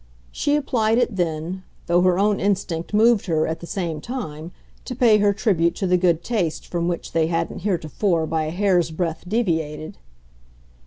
She applied it then, though her own instinct moved her, at the same time, to pay her tribute to the good taste from which they hadn't heretofore by a hair's breadth deviated.